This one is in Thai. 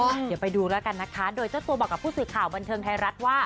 เดี๋ยวไปดูแล้วกันนะคะโดยเจ้าตัวบอกกับผู้สื่อข่าวบันเทิงไทยรัฐว่า